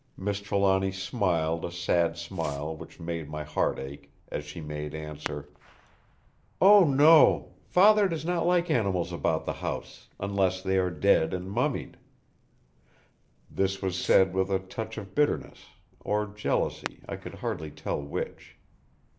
Miss Trelawny smiled a sad smile which made my heart ache, as she made answer: "Oh no! Father does not like animals about the house, unless they are dead and mummied." This was said with a touch of bitterness—or jealousy, I could hardly tell which.